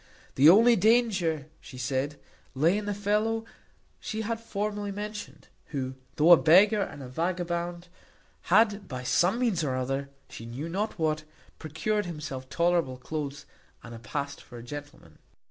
The only danger, she said, lay in the fellow she had formerly mentioned, who, though a beggar and a vagabond, had, by some means or other, she knew not what, procured himself tolerable cloaths, and past for a gentleman.